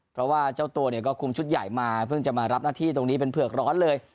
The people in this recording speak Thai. เพราะว่าเจ้าตัวเนี่ยก็คุมชุดใหญ่มาเพิ่งจะมารับหน้าที่ตรงนี้เป็นเผือกร้อนเลย